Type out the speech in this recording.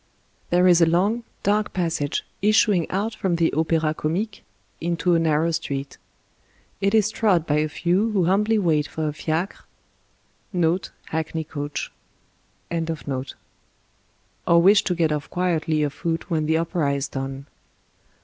There is a long, dark passage issuing out from the Opera Comique into a narrow street. It is trod by a few who humbly wait for a fiacre ^ or wish to get off quietly o' foot when the opera is done.